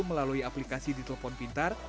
melalui aplikasi di telepon pintar